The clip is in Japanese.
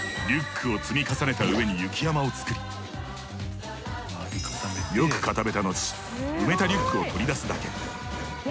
リュックを積み重ねた上に雪山を作りよく固めた後埋めたリュックを取り出すだけ。